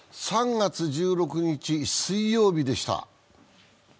３月１６日水曜日でした。